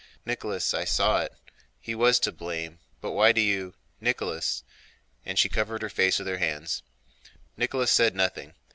"Nicholas, I saw it... he was to blame, but why do you... Nicholas!" and she covered her face with her hands. Nicholas said nothing.